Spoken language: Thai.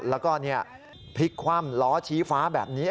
แล้วก็พลิกคว่ำล้อชี้ฟ้าแบบนี้